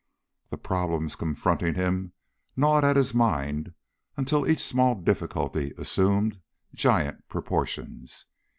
The problems confronting him gnawed at his mind until each small difficulty assumed giant proportions.